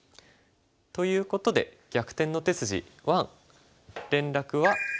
ということで「逆転の手筋１」。